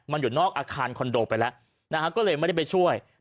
มันอยู่นอกอาคารคอนโดไปแล้วนะฮะก็เลยไม่ได้ไปช่วย